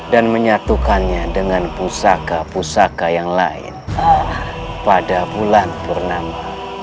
dan menyatukannya dengan pusaka pusaka yang lain pada bulan purnama